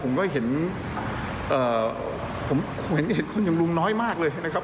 ผมก็เห็นผมเห็นคนอย่างลุงน้อยมากเลยนะครับ